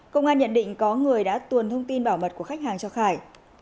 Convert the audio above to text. công an nhận định có người đã tuồn thông tin bảo mật của khách hàng cho khải